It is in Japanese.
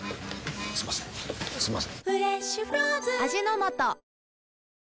すみませんすみません。